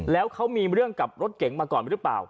แล้วเขามีเรื่องกับรถเก๋งมาก่อนหรือเปล่า